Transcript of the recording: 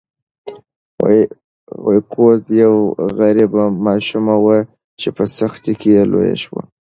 کوزت یوه غریبه ماشومه وه چې په سختۍ کې لویه شوه.